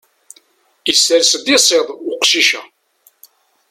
Isers-d iṣiḍ uqcic-a.